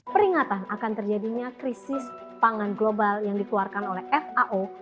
peringatan akan terjadinya krisis pangan global yang dikeluarkan oleh fao